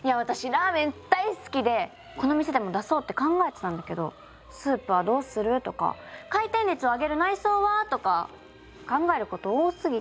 ラーメン大好きでこの店でも出そうって考えてたんだけどスープはどうする？とか回転率を上げる内装は？とか考えること多すぎて。